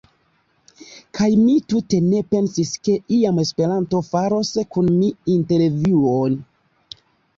Kaj mi tute ne pensis ke iam Esperanto faros kun mi intervjuon.